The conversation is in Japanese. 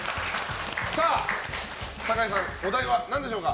坂井さんお題は何でしょうか？